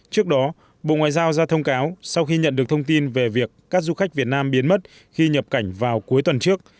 trước đó bộ ngoại giao ra thông cáo sau khi nhận được thông tin về việc các du khách việt nam biến mất khi nhập cảnh vào cuối tuần trước